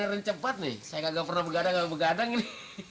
ini cepat nih saya gak pernah bergadang gadang ini